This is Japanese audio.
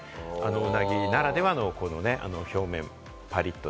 ウナギならではの表面はパリッと。